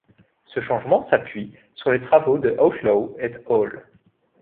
Ce changement s'appuie sur les travaux de Outlaw et al.